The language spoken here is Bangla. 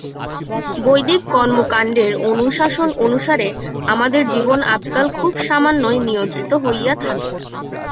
বৈদিক কর্মকাণ্ডের অনুশাসন অনুসারে আমাদের জীবন আজকাল খুব সামান্যই নিয়ন্ত্রিত হইয়া থাকে।